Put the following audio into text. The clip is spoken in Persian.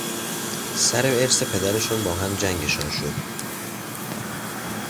سر ارث پدرشان با هم جنگشان شد.